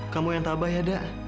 kamu yang tabah ya dak